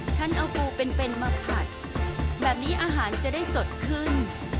ฉันเอาปูเป็นมาผัดแบบนี้อาหารจะได้สดขึ้น